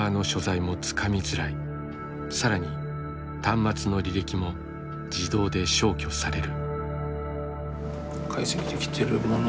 更に端末の履歴も自動で消去される。